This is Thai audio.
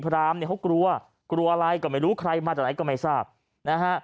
รามเนี่ยเขากลัวกลัวอะไรก็ไม่รู้ใครมาจากไหนก็ไม่ทราบนะฮะ